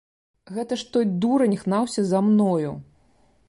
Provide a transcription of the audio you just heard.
Гэта ж той дурань гнаўся за мною!